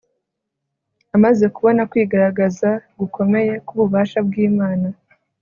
amaze kubona kwigaragaza gukomeye kububasha bwImana